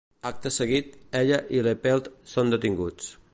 Acte seguit, ella i LePelt són detinguts.